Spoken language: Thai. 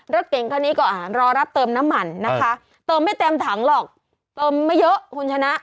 รถเก่งคันนี้ก็รอรับเติมน้ำมันนะคะเติมไม่เต็มถังหรอกเติมไม่เยอะคุณชนะ